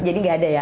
jadi nggak ada ya